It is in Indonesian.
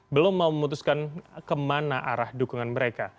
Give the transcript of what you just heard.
belum mau memutuskan kemana arah dukungan mereka